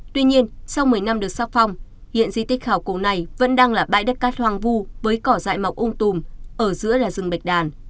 tuy nhiên sau một mươi năm được xác phong hiện di tích khảo cổ này vẫn đang là bãi đất cát hoang vu với cỏ dại mọc ung tùm ở giữa là rừng bạch đàn